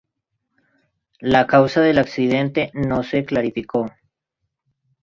La causa del accidente no se clarificó.